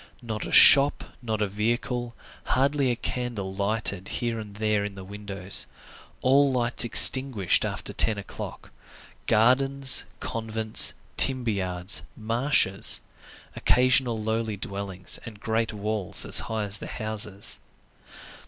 Not a shop, not a vehicle, hardly a candle lighted here and there in the windows; all lights extinguished after ten o'clock. Gardens, convents, timber yards, marshes; occasional lowly dwellings and great walls as high as the houses.